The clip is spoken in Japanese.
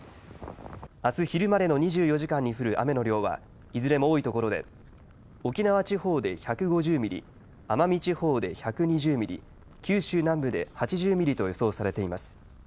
あす昼までの２４時間に降る雨の量はいずれも多いところで沖縄地方で１５０ミリ、奄美地方で１２０ミリ、九州南部で８０ミリと予想されています。